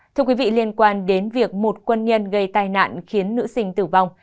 thưa quý vị liên quan đến việc một quân nhân gây tai nạn khiến nữ sinh tử vong